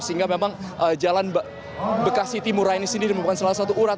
sehingga memang jalan bekasi timuraini sendiri bukan salah satu urat